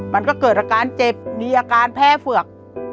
มันก็เกิดอาการเจ็บมีอาการแพ้เฝือก